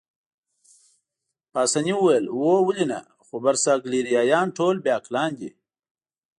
پاسیني وویل: هو ولې نه، خو برساګلیریايان ټول بې عقلان دي.